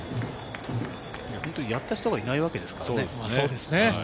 やった人がいないわけですからね。